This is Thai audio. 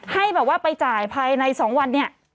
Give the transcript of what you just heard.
ให้ไปจ่ายภายใน๒วัน